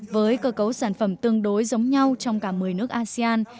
với cơ cấu sản phẩm tương đối giống nhau trong cả một mươi nước asean